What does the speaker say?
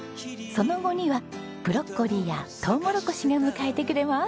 その後にはブロッコリーやトウモロコシが迎えてくれます。